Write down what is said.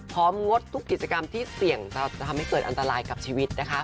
งดทุกกิจกรรมที่เสี่ยงจะทำให้เกิดอันตรายกับชีวิตนะคะ